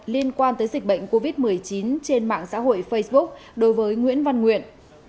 liên quan tới dịch bệnh covid một mươi chín trên mạng xã hội facebook đối với nguyễn văn nguyện